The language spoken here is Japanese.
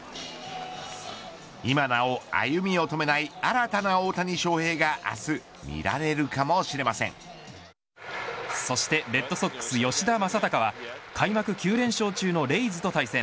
今なお歩みを止めない新たな大谷翔平がそしてレッドソックス吉田正尚は開幕９連勝中のレイズと対戦。